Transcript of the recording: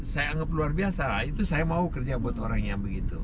saya anggap luar biasa itu saya mau kerja buat orang yang begitu